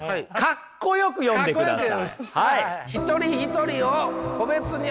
格好よく読んでください。